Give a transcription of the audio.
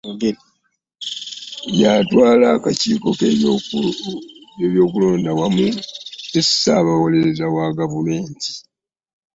Yatwala akakiiko k'ebyokulonda awamu ne Ssaabawolereza wa gavumenti